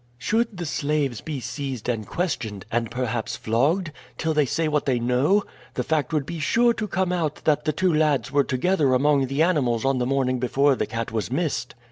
"Should the slaves be seized and questioned, and perhaps flogged, till they say what they know, the fact would be sure to come out that the two lads were together among the animals on the morning before the cat was missed.